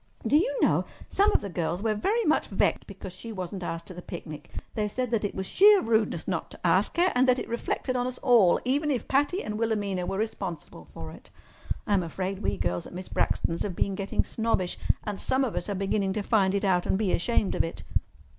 Do you know, some of the girls were very much vexed because she wasn't asked to the picnic. They said that it was sheer rudeness not to ask her, and that it reflected on us all, even if Patty and Wilhelmina were responsible for it. I'm afraid we girls at Miss Braxton's have been getting snobbish, and some of us are beginning to find it out and be ashamed of it."